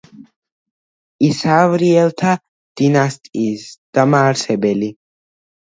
ისავრიელთა დინასტიის დამაარსებელი.